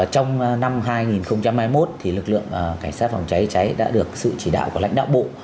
trong năm hai nghìn hai mươi một lực lượng cảnh sát phòng cháy cháy đã được sự chỉ đạo của lãnh đạo bộ